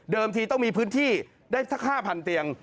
เดิมที่ต้องมีพื้นที่ได้๕๐๐๐เตียง